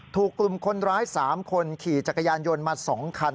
ถูกกลุ่มคนร้าย๓คนขี่จักรยานยนต์มา๒คัน